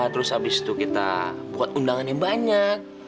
terus habis itu kita buat undangan yang banyak